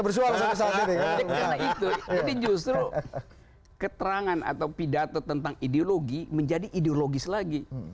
bersuara sama saat itu justru keterangan atau pidato tentang ideologi menjadi ideologis lagi